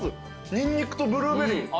ニンニクとブルーベリー。